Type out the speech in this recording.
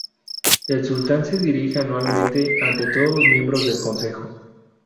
El sultán se dirige anualmente ante todos los miembros del Consejo.